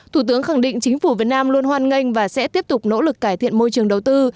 thủ tướng khẳng định chính phủ việt nam luôn hoan nghênh và sẽ tiếp tục nỗ lực cải thiện môi trường đầu tư